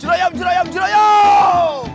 jurayom jurayom jurayom